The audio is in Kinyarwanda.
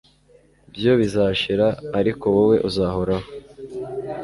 Byo bizashira ariko wowe uzahoraho